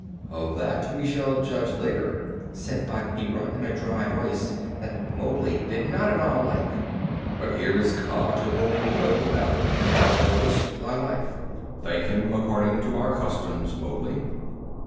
"Of that we shall judge later," said Bagheera, in a dry voice that Mowgli did not at all like. "But here is Kaa to whom we owe the battle and thou owest thy life. Thank him according to our customs, Mowgli."